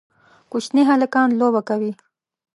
کوچني هلکان لوبه کوي